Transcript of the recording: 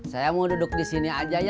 saya mau duduk disini aja